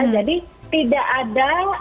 jadi tidak ada